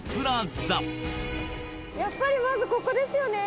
やっぱりまずここですよね